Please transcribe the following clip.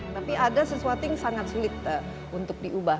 tapi ada sesuatu yang sangat sulit untuk diubah